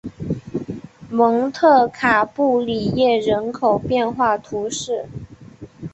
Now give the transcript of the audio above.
蒙特卡布里耶人口变化图示